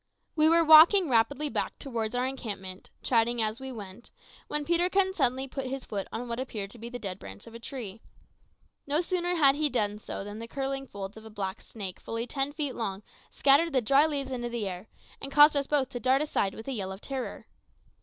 We were walking rapidly back towards our encampment, chatting as we went, when Peterkin suddenly put his foot on what appeared to be the dead branch of a tree. No sooner had he done so than the curling folds of a black snake fully ten feet long scattered the dry leaves into the air, and caused us both to dart aside with a yell of terror.